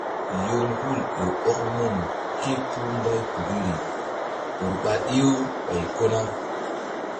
Yoŋhul ƴo ɔk mun ké puhbaypukiri ur ɓa ɗih-u ɓay ko na.